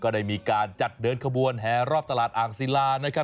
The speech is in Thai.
ในการจัดเดินขบวนแห่รอบตลาดอ่างศิลา